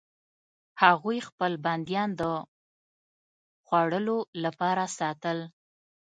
هغوی خپل بندیان د خوړلو لپاره ساتل.